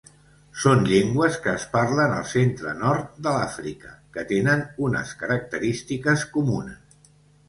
Són llengües que es parlen al centre nord de l'Àfrica que tenen unes característiques comunes.